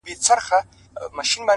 دا بېچاره به ښـايــي مــړ وي ـ